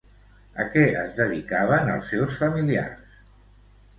A què es dedicaven els seus familiars?